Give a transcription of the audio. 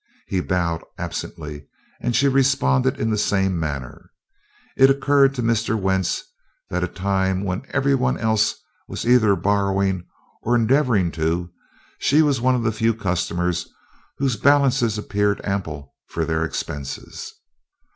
He bowed absently and she responded in the same manner. It occurred to Mr. Wentz that a time when everyone else was either borrowing, or endeavoring to, she was one of the few customers whose balances appeared ample for their expenses.